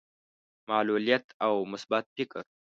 معلوليت او مثبت فکر.